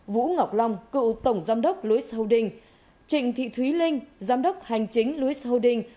vũ ngọc long cựu tổng giám đốc louis holdings trịnh thị thúy linh giám đốc hành chính louis holdings